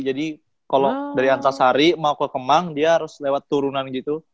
jadi kalau dari antasari mau ke kemang dia harus lewat turunan gitu